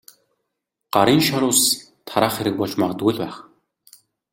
Гарын шар ус тараах хэрэг болж магадгүй л байх.